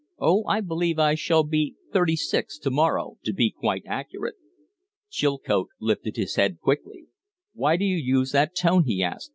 "Oh, I believe I shall be thirty six to morrow to be quite accurate." Chilcote lifted his head quickly. "Why do you use that tone?" he asked.